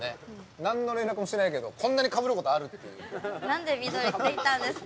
何の連絡もしてないけどこんなにかぶること何で緑、着てきたんですか！